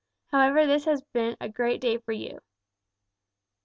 However, this has been a great day for you."